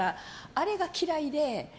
あれが嫌いで。